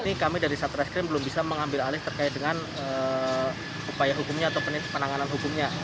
ini kami dari satreskrim belum bisa mengambil alih terkait dengan upaya hukumnya atau penanganan hukumnya